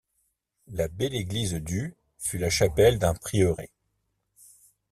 La belle église du fut la chapelle d'un prieuré.